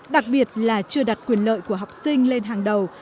đặc biệt là chưa đặt quyền lợi của học sinh lên hàng đầu